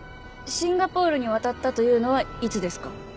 シンガポールに渡ったというのはいつですか？